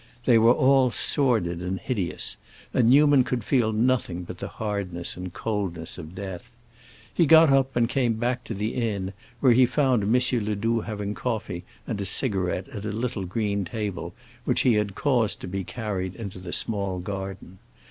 They were all sordid and hideous, and Newman could feel nothing but the hardness and coldness of death. He got up and came back to the inn, where he found M. Ledoux having coffee and a cigarette at a little green table which he had caused to be carried into the small garden.